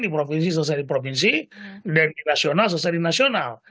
di provinsi selesai di provinsi dari nasional selesai di nasional